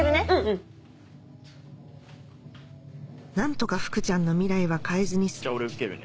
何とか福ちゃんの未来は変えずにじゃあ俺受けるね。